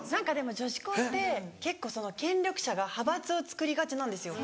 女子校って結構権力者が派閥をつくりがちなんですよ。